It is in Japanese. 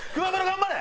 頑張れ！